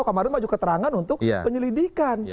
komarun maju keterangan untuk penyelidikan